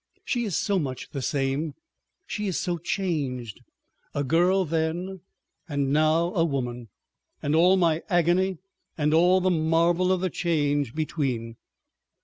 She is so much the same, she is so changed; a girl then and now a woman—and all my agony and all the marvel of the Change between!